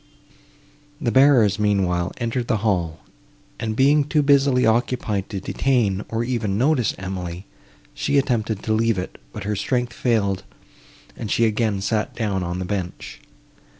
The bearers, meanwhile, entered the hall, and, being too busily occupied to detain, or even notice Emily, she attempted to leave it, but her strength failed, and she again sat down on the bench.